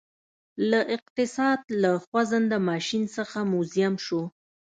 له اقتصاد له خوځنده ماشین څخه موزیم شو